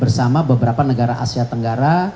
bersama beberapa negara asia tenggara